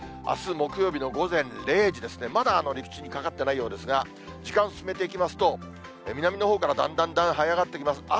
あす木曜日の午前０時ですね、まだ陸地にかかってないようですが、時間進めていきますと、南のほうからだんだんだんだんはい上がってきます。